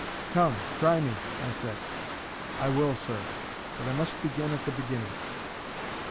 "Come, try me," I said. "I will, sir. But I must begin at the beginning."